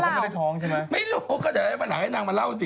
หรือเปล่าไม่รู้ก็เดี๋ยวมาหาให้นางมาเล่าสิ